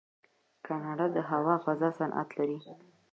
کاناډا د هوا فضا صنعت لري.